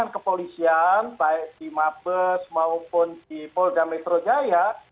kepolisian baik di mabes maupun di polda metro jaya